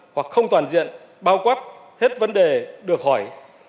hoặc không toàn diện bao quát hết vấn đề được hỏi